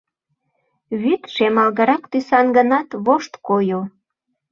Вӱд шемалгырак тӱсан гынат, вошт койо.